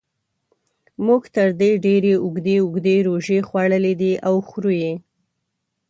موږ تر دې ډېرې اوږدې اوږدې روژې خوړلې دي او خورو یې.